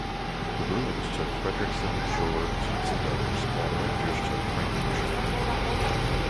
The Bruins took Fredrickson, Shore, Keats and others, while the Rangers took Frank Boucher.